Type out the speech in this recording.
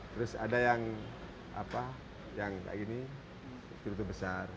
terus ada yang seperti ini cerutu besar